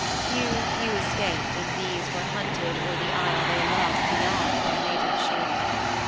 10 Few, few escaped, and these were hunted o'er The isle they loved beyond their native shore.